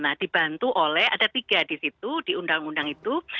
nah dibantu oleh ada tiga di situ di undang undang itu